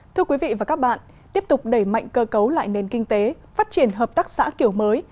thưa quý vị và các bạn tiếp tục đẩy mạnh cơ cấu lại nền kinh tế phát triển hợp tác xã kiểu mới